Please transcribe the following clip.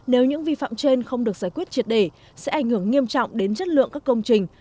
nếu những vi phạm trên không được giải quyết triệt đề sẽ ảnh hưởng nghiêm trọng đến chất lượng các công trình